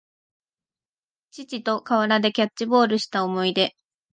父と河原でキャッチボールした思い出